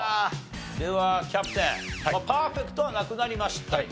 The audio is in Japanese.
ではキャプテンパーフェクトはなくなりましたが。